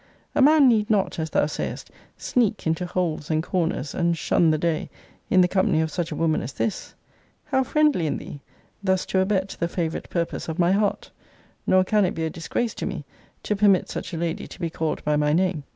A man need not, as thou sayest, sneak into holes and corners, and shun the day, in the company of such a woman as this. How friendly in thee, thus to abet the favourite purpose of my heart! nor can it be a disgrace to me, to permit such a lady to be called by my name!